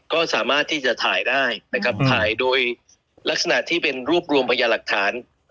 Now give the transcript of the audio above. ก็สามารถที่จะถ่ายได้นะครับถ่ายโดยลักษณะที่เป็นรวบรวมพยาหลักฐาน